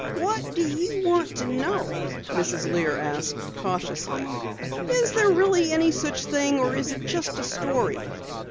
"What do you want to know?" Mrs. Lear asked cautiously. "Is there really such a thing or is it just a story?"